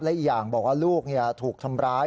และอีกอย่างบอกว่าลูกถูกทำร้าย